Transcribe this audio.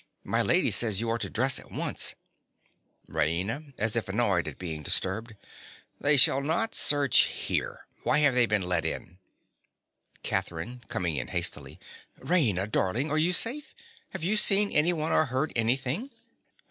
My lady says you are to dress at once. RAINA. (as if annoyed at being disturbed). They shall not search here. Why have they been let in? CATHERINE. (coming in hastily). Raina, darling, are you safe? Have you seen anyone or heard anything?